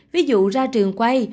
ví dụ ra trường quay